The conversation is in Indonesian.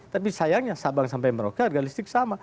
tapi sayangnya sabang sampai merauke harga listrik sama